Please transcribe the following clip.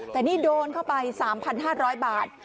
แต่นี่โดนเข้าไป๓๕๐๐บาท